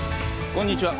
こんにちは。